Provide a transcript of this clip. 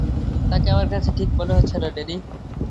তাকে আমার কাছে ঠিক মনে হচ্ছে না, ড্যানি।